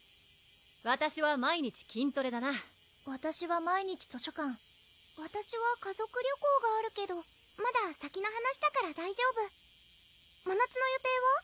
わたしは毎日筋トレだなわたしは毎日図書館わたしは家族旅行があるけどまだ先の話だから大丈夫まなつの予定は？